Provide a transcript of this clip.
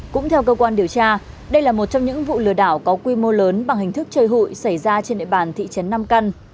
cũng theo cơ quan điều tra đây là một trong những vụ lừa đảo có quy mô lớn bằng hình thức chơi hụi xảy ra trên địa bàn thị trấn nam căn